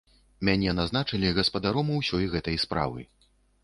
Мяне назначылі гаспадаром усёй гэтай справы.